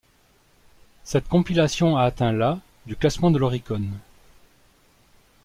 Cette compilation a atteint la du classement de l'Oricon.